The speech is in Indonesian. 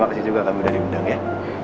terima kasih juga kami sudah diundang ya